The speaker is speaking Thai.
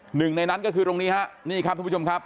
หนึ่งในนั้นก็คือตรงนี้ฮะนี่ครับท่านผู้ชมครับ